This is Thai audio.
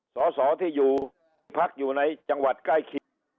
สอที่อยู่หัวภักษณะอยู่ในจังหวัดใกล้คีน